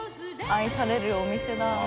愛されるお店だ。